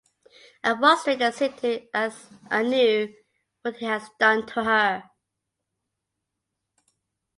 A frustrated Siddhu asks Anu what he has done to her.